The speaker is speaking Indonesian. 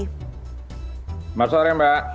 selamat sore mbak